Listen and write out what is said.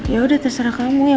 yaudah terserah kamu ya